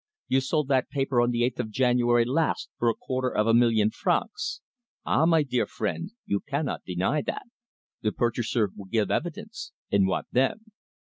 You sold that paper on the eighth of January last for a quarter of a million francs. Ah! my dear friend, you cannot deny that. The purchaser will give evidence and what then?"